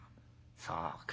「そうか。